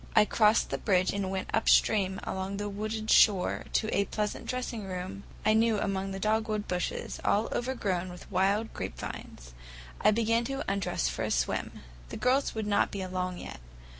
I crossed the bridge and went upstream along the wooded shore to a pleasant dressing room I knew among the dogwood bushes, all overgrown with wild grapevines. I began to undress for a swim. The girls would not be along yet.